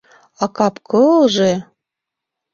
А кап-кылже...